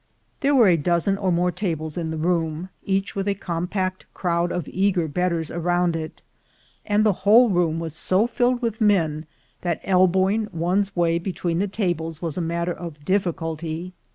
There were a dozen or more tables in the room, each with a compact crowd of eager betters around it, and the whole room was so filled with men that elbowing one's way between the tables was a matter of difficulty.